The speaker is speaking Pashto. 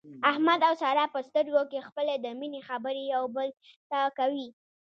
احمد او ساره په سترګو کې خپلې د مینې خبرې یو بل ته کوي.